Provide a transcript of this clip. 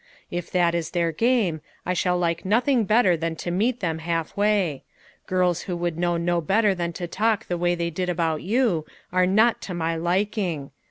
If that is their game, I shall like nothing better than to meet them half way; girls who would know no better than to talk the way they did about you, are not to my liking.